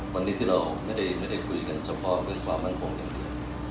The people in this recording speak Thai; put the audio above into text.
วันนี้ที่เราไม่ได้คุยกันเฉพาะเรื่องความมั่นคงอย่างเดียว